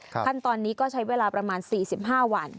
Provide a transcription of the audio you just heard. ขั้นตอนนี้ก็ใช้เวลาประมาณ๔๕วัน